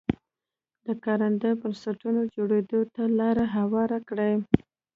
د کارنده بنسټونو جوړېدو ته لار هواره کړي.